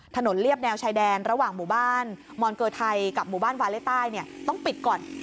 เรียบแนวชายแดนระหว่างหมู่บ้านมอนเกอร์ไทยกับหมู่บ้านวาเล่ใต้ต้องปิดก่อน